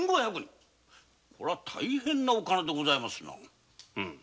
これは大変な金でございますな。